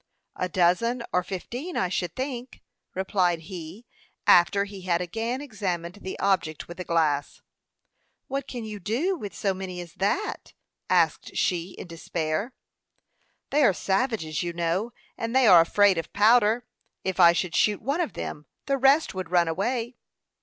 "A dozen or fifteen, I should think," replied he, after he had again examined the object with the glass. "What can you do with so many as that?" asked she, in despair. "They are savages, you know; and they are afraid of powder. If I should shoot one of them, the rest would run away."